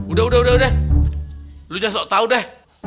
udah udah udah lu nya sok tau deh